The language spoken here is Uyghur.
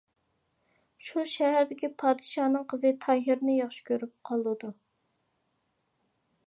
شۇ شەھەردىكى پادىشاھنىڭ قىزى تاھىرنى ياخشى كۆرۈپ قالىدۇ.